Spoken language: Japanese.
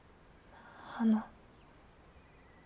あの。